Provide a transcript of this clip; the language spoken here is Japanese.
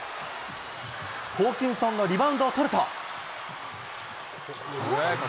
ホーキンソンのリバウンドを取ると。